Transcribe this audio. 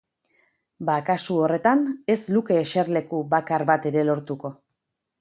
Ba kasu horretan, ez luke eserleku bakar bat ere lortuko.